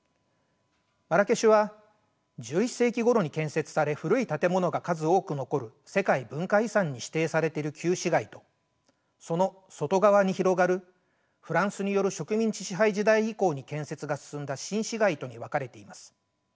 マラケシュは１１世紀ごろに建設され古い建物が数多く残る世界文化遺産に指定されている旧市街とその外側に広がるフランスによる植民地支配時代以降に建設が進んだ新市街とに分かれています。